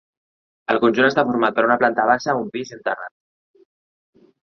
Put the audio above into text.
El conjunt està format per una planta baixa, un pis i un terrat.